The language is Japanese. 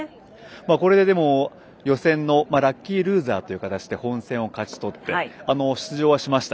これで予選のラッキールーザーという形で本戦を勝ち取って出場はしました。